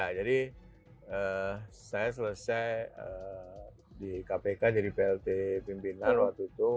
ya jadi saya selesai di kpk jadi plt pimpinan waktu itu